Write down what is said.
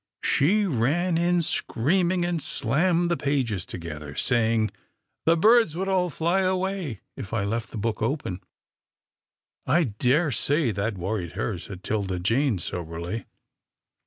She ran in scream ing, and slammed the pages together, saying the birds would all fly away if I left the book open." " I daresay that worried her," said 'Tilda Jane, soberly.